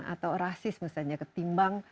atau rasis misalnya ketimbang